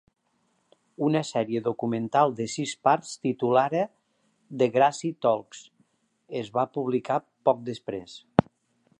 Una sèrie documental de sis parts titulada "Degrassi Talks" es va publicar poc després.